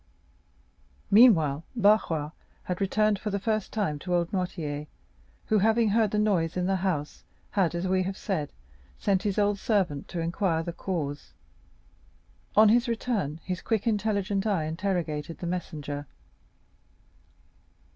Meanwhile, Barrois had returned for the first time to old Noirtier, who having heard the noise in the house, had, as we have said, sent his old servant to inquire the cause; on his return, his quick intelligent eye interrogated the messenger.